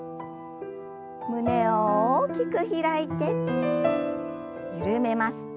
胸を大きく開いて緩めます。